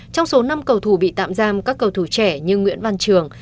trong số năm cầu thủ bị tạm giam các cầu thủ trẻ như nguyễn văn trường